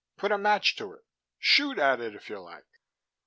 "Put a match to it. Shoot at it if you like.